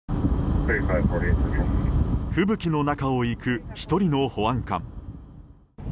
吹雪の中を行く、１人の保安官。